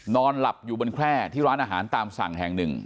นอนหลับอยู่บนแคร่ที่ร้านอาหารตามสั่งแห่งหนึ่ง